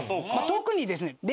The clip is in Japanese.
特にですね